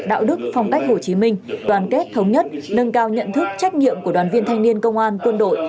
đạo đức phong cách hồ chí minh đoàn kết thống nhất nâng cao nhận thức trách nhiệm của đoàn viên thanh niên công an quân đội